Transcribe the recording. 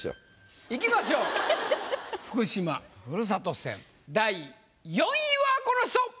いきましょう福島ふるさと戦第４位はこの人！